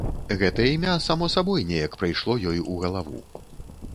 Гэта імя само сабой неяк прыйшло ёй у галаву.